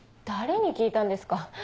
誰に聞いたんですか。